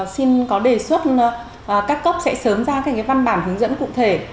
xin có đề xuất các cấp sẽ sớm ra các văn bản hướng dẫn cụ thể